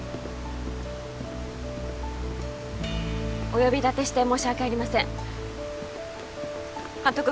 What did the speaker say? お呼び立てして申し訳ありません監督